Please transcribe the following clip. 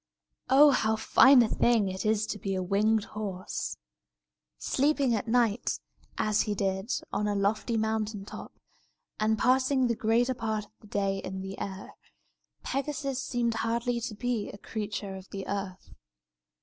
Oh, how fine a thing it is to be a winged horse! Sleeping at night, as he did, on a lofty mountain top, and passing the greater part of the day in the air, Pegasus seemed hardly to be a creature of the earth.